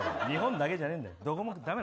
日本だけじゃねえよ！